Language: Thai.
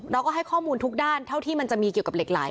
เราก็ให้ข้อมูลทุกด้านเท่าที่มันจะมีเกี่ยวกับเหล็กไหล